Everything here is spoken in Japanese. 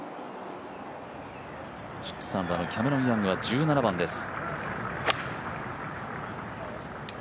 ６アンダーのキャメロン・ヤングは１７番です。